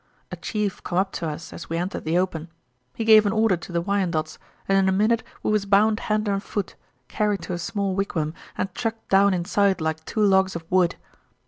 A chief come up to us as we entered the open. He gave an order to the Wyandots, and in a minute we was bound hand and foot, carried to a small wigwam, and chucked down inside like two logs of wood.